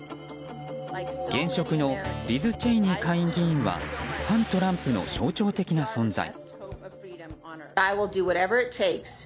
現職のリズ・チェイニー下院議員は反トランプの象徴的な存在。